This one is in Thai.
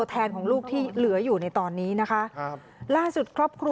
แล้วก็น้องใช้กระเป๋าใบนี้ตลอดค่ะ